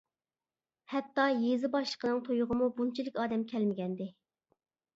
ھەتتا يېزا باشلىقىنىڭ تويىغىمۇ بۇنچىلىك ئادەم كەلمىگەنىدى.